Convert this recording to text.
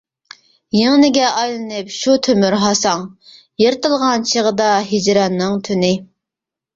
يىڭنىگە ئايلىنىپ شۇ تۆمۈر ھاساڭ، يىرتىلغان چېغىدا ھىجراننىڭ تۈنى!